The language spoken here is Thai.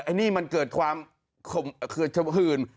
อันนี้มันเกิดความของขืน